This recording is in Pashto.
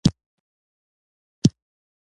جمال خان هم هغه ته غېږه ورکړه او دوی له دفتر ووتل